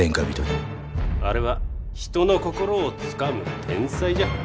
あれは人の心をつかむ天才じゃ。